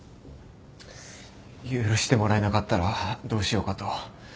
許してもらえなかったらどうしようかと。